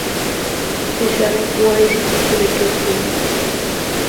Si se adecua es indicio de que es delito.